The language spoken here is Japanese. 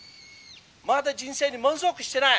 「まだ人生に満足してない？」。